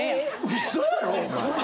ウソやろお前！？